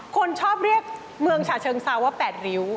คนชอบเรียกเมืองฉะเชิงเซาว่า๘ริ้ว